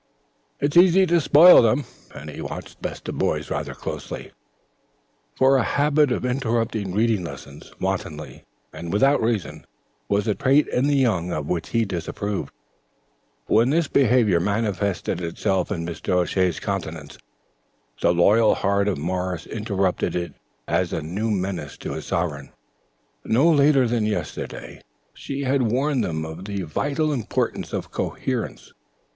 "It is easy to spoil them." And he watched the best of boys rather closely, for a habit of interrupting reading lessons, wantonly and without reason, was a trait in the young of which he disapproved. When this disapprobation manifested itself in Mr. O'Shea's countenance, the loyal heart of Morris interpreted it as a new menace to his sovereign. No later than yesterday she had warned them of the vital importance of coherence.